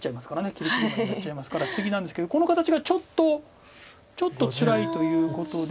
きりきり舞いになっちゃいますからツギなんですけどこの形がちょっとつらいということで。